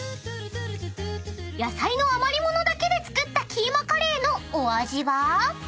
［野菜の余り物だけで作ったキーマカレーのお味は？］